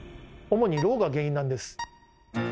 主にロウが原因なんです。